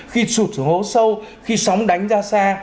khi sụt xuống hố sâu khi sóng đánh ra xa